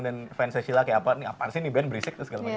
dan fans shilla kayak apaan sih nih band berisik dan segala macem